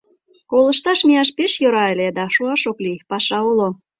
Колышташ мияш пеш йӧра ыле, да шуаш ок лий: паша уло.